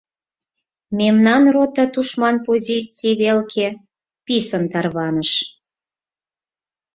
Мемнан рота тушман позиций велке писын тарваныш.